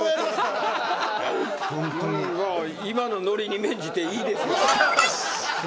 今のノリに免じていいですよ。